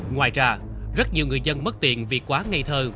ngoài ra rất nhiều người dân mất tiền vì quá ngây thơ